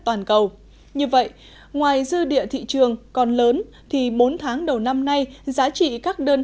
toàn cầu như vậy ngoài dư địa thị trường còn lớn thì bốn tháng đầu năm nay giá trị các đơn